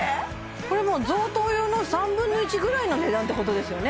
これもう贈答用の３分の１ぐらいの値段ってことですよね